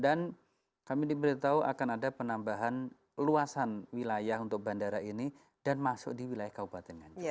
dan kami diberitahu akan ada penambahan luasan wilayah untuk bandara ini dan masuk di wilayah kabupaten nganjung